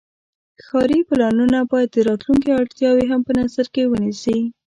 ښاري پلانونه باید د راتلونکي اړتیاوې هم په نظر کې ونیسي.